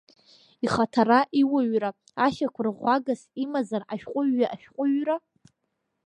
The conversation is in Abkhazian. Ихаҭара, иуаҩра ашьақәырӷәӷәагас имазар ашәҟәыҩҩы ашәҟәыҩҩра?